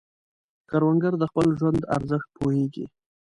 کروندګر د خپل ژوند ارزښت پوهیږي